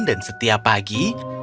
dan setiap pagi